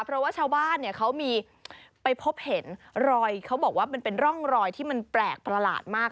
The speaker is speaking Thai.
เพราะว่าชาวบ้านเนี่ยเขามีไปพบเห็นรอยเขาบอกว่ามันเป็นร่องรอยที่มันแปลกประหลาดมาก